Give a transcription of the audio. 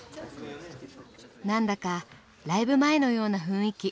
何だかライブ前のような雰囲気。